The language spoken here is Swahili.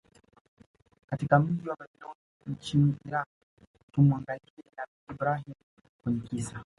katika mji Babylon nchini Iraq Tumuangalie nabii Ibrahim kwenye kisa